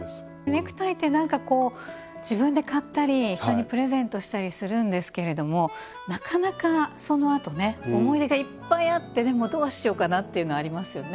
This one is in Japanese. ネクタイってなんかこう自分で買ったり人にプレゼントしたりするんですけれどもなかなかそのあとね思い出がいっぱいあってでもどうしようかなっていうのありますよね。